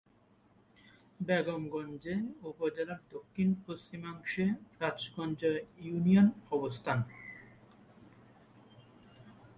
বেগমগঞ্জ উপজেলার দক্ষিণ-পশ্চিমাংশে রাজগঞ্জ ইউনিয়নের অবস্থান।